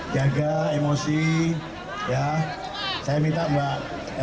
jaga emosi ya saya minta mbak